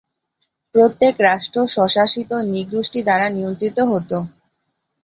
প্রত্যেক রাষ্ট্র স্বশাসিত নৃগোষ্ঠী দ্বারা নিয়ন্ত্রিত হতো।